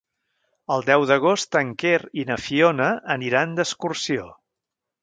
El deu d'agost en Quer i na Fiona aniran d'excursió.